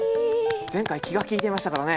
前回気が利いていましたからね。